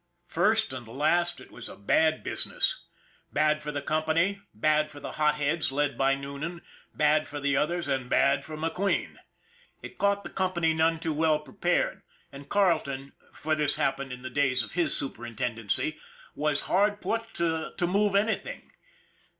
First and last it was a bad business. Bad for the company, bad for the hot heads led by Noonan, bad for the others, and bad for McQueen. It caught the company none too well prepared, and Carleton, for this happened in the days of his superintendency, was hard put to it to move anything.